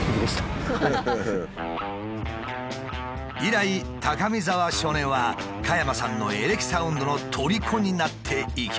以来高見沢少年は加山さんのエレキサウンドのとりこになっていきました。